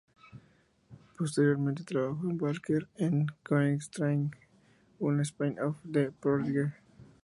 Posteriormente trabajó con Barker en "Going Straight", una spin-off de "Porridge".